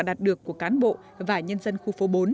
đạt được của cán bộ và nhân dân khu phố bốn